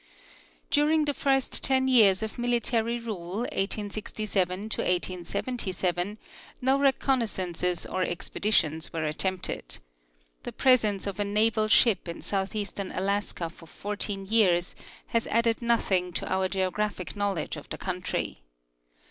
During the first ten years of military rule (1867 to 1877) no reconnaissances or expeditions were attempted. The presence of a naval ship in southeastern Alaska for fourteen years has added nothing to our geographic knowledge of the country.